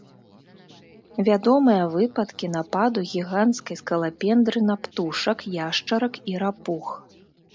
Вядомыя выпадкі нападу гіганцкай скалапендры на птушак, яшчарак і рапух.